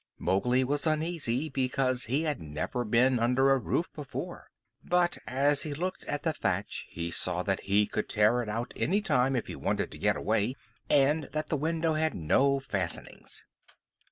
Mowgli was uneasy, because he had never been under a roof before. But as he looked at the thatch, he saw that he could tear it out any time if he wanted to get away, and that the window had no fastenings.